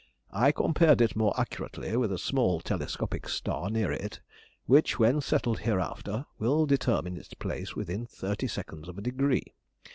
I compared it more accurately with a small telescopic star nearer it, which, when settled hereafter, will determine its place within 30ʺ of a degree.